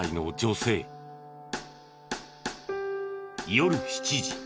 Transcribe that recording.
夜７時。